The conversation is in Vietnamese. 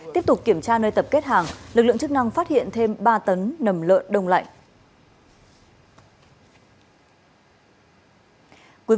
tiếp tục kiểm tra nơi tập kết hàng lực lượng chức năng phát hiện thêm ba tấn nầm lợn đông lạnh